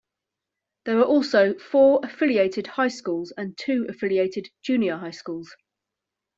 There are also four affiliated high schools and two affiliated junior high schools.